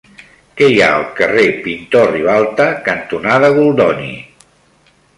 Què hi ha al carrer Pintor Ribalta cantonada Goldoni?